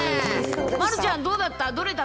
丸ちゃん、どうだった？